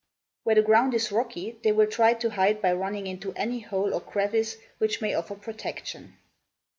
Where the ground is rocky they will try to hide by running into any hole or crevice which may offer protection.